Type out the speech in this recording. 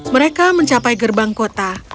mereka mencapai gerbang kota